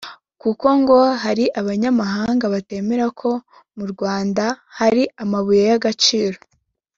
kuko ngo hari abanyamahanga batemera ko mu Rwanda hari amabuye y’agaciro